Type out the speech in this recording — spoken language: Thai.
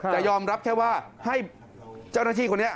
แต่ยอมรับแค่ว่าให้เจ้าหน้าที่คนนี้